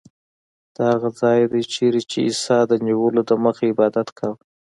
دا هغه ځای دی چیرې چې عیسی د نیولو دمخه عبادت کاوه.